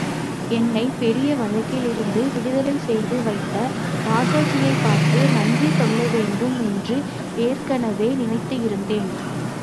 என்னைப் பெரிய வழக்கிலிருந்து விடுதலைசெய்து வைத்த ராஜாஜியைப் பார்த்து நன்றி சொல்லவேண்டும் என்று ஏற்கனவே நினைத்து இருந்தேன்.